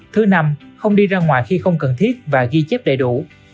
thứ năm không đi ra ngoài khi không cần thiết và ghi chép đầy đủ